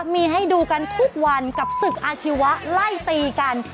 มีให้ดูกันทุกวันกับศึกอาชีวะไล่ตีกัน